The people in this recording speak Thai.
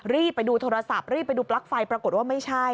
รีบไปดูโทรศัพท์รีบไปดูปลั๊กไฟปรากฏว่าไม่ใช่